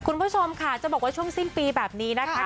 คุณผู้ชมค่ะจะบอกว่าช่วงสิ้นปีแบบนี้นะคะ